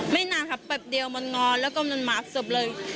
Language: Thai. ไม่นานค่ะแปบเดียวมันงอนแล้วก็มันมาสบเลย